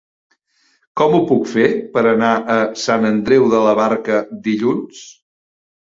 Com ho puc fer per anar a Sant Andreu de la Barca dilluns?